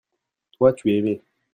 toi, tu es aimé.